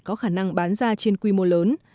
có khả năng bán ra trên quy mô lớn